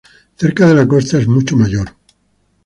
Cerca de la costa es mucho mayor.